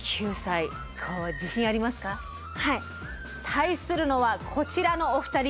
対するのはこちらのお二人。